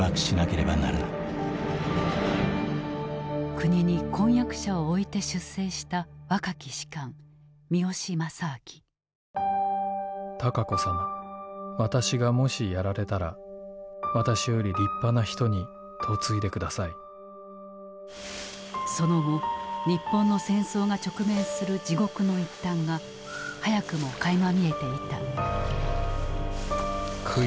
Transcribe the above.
国に婚約者を置いて出征した若き士官その後日本の戦争が直面する地獄の一端が早くもかいま見えていた。